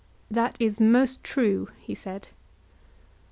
That is most true, he said.